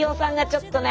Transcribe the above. ちょっとね。